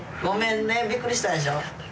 びっくりしたでしょ？